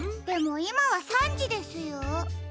でもいまは３じですよ。